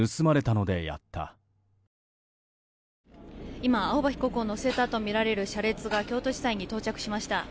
今、青葉被告を乗せたとみられる車列が京都地裁に到着しました。